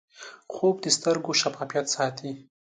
خوب د سترګو شفافیت ساتي